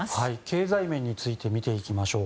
経済面について見ていきましょう。